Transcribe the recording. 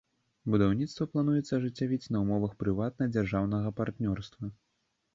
Будаўніцтва плануецца ажыццявіць на ўмовах прыватна-дзяржаўнага партнёрства.